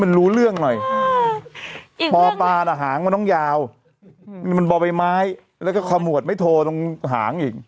อีกเรื่องอะไรปลอปลาน่ะหางมันต้องยาวมันบ่อไปไม้แล้วก็ความหวดไม่โทรต้องหางอีก